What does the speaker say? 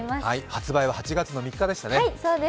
発売は８月３日でしたね。